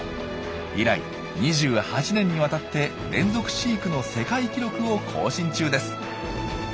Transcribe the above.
以来２８年にわたって連続飼育の世界記録を更新中です。